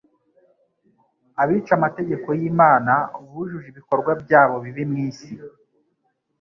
Abica amategeko y'Imana bujuje ibikorwa byabo bibi mu isi.